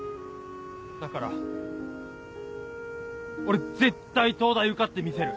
だから俺絶対東大受かってみせる。